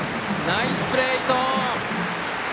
ナイスプレー、伊藤！